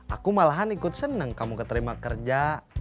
aku malahan ikut senang kamu keterima kerja